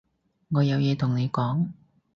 我有嘢同你講